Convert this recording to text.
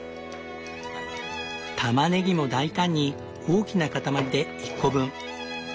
たまねぎも大胆に大きな塊で１個分。